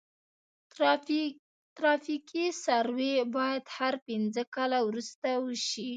ترافیکي سروې باید هر پنځه کاله وروسته وشي